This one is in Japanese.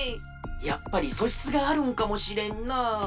やっぱりそしつがあるんかもしれんな。